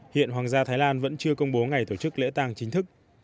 hiện hoàng gia thái lan vẫn chưa công bố ngày tổ chức lễ tàng chính thức